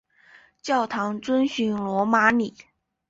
教堂遵循罗马礼。